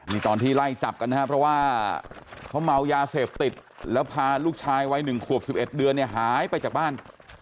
นี่ตอนที่ไล่จับกันนะครับเพราะว่าเขาเมายาเสพติดแล้วพาลูกชายวัย๑ขวบ๑๑เดือนเนี่ยหายไปจากบ้าน